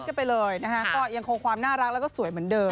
ซึ่งก็ย้ายออกจากช่องเจ็ดแล้ว